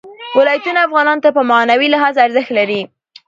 ولایتونه افغانانو ته په معنوي لحاظ ارزښت لري.